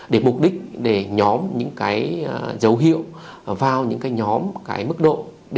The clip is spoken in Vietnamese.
để mục đích để nhóm những cái dấu hiệu vào những cái nhóm cái mức độ